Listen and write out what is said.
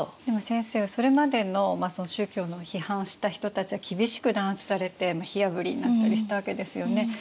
でも先生それまでの宗教の批判した人たちは厳しく弾圧されて火あぶりになったりしたわけですよね。